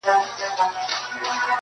دا ستاد كلـي كـاڼـى زمـا دوا ســـوه.